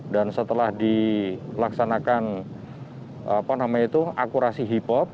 dan setelah dilaksanakan apa namanya itu akurasi hip hop